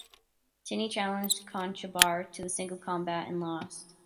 Tinni challenged Conchobar to single combat, and lost.